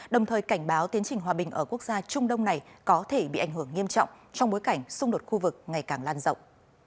đồng thời cảnh báo tiến trình hòa bình ở quốc gia trung đông này có thể bị ảnh hưởng nghiêm trọng trong bối cảnh xung đột khu vực ngày càng lan rộng